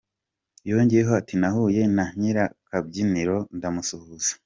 Yongeyeho ati “Nahuye na nyir’akabyiniro, ndamusuhuza.